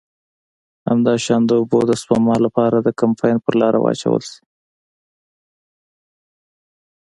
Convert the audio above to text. همداشان د اوبو د سپما له پاره د کمپاین پر لاره واچول شي.